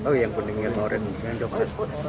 oh yang kuning yang oranye yang jokot